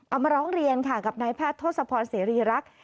เอามาร้องเรียนค่ะกับนายแพทย์ทศพรเสรีรักษ์